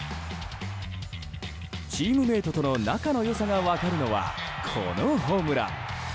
チームメートとの仲の良さが分かるのはこのホームラン。